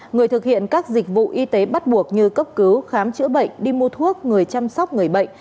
người thực hiện các dịch vụ y tế bắt buộc như cấp cứu khám chữa bệnh đi mua thuốc người chăm sóc người bệnh